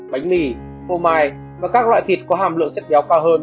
bánh mì phô mai và các loại thịt có hàm lượng chất kéo cao hơn